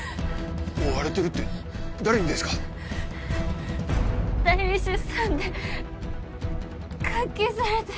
追われてるって誰にですか⁉代理出産で監禁されて。